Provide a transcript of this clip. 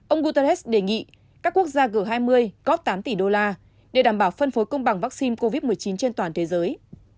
ông guterres đề nghị các quốc gia g hai mươi góp tám tỷ đô la để đảm bảo phân phối công bằng vaccine covid một mươi chín trên toàn thế giới